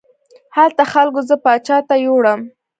هلته خلکو زه پاچا ته یووړم.